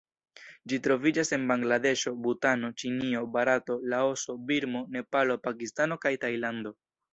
Ĝi troviĝas en Bangladeŝo, Butano, Ĉinio, Barato, Laoso, Birmo, Nepalo, Pakistano kaj Tajlando.